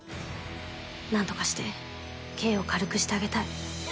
何とかして刑を軽くしてあげたい。